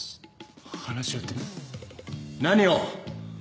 話し合いって何を？